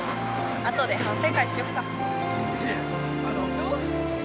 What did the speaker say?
あとで反省会しよっか。